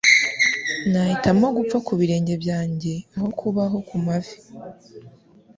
Nahitamo gupfa ku birenge byanjye aho kubaho ku mavi.